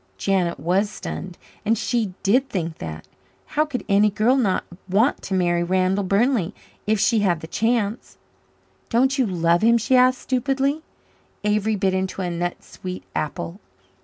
Janet was stunned, and she did think that. How could any girl not want to marry Randall Burnley if she had the chance? "Don't you love him?" she asked stupidly. Avery bit into a nut sweet apple.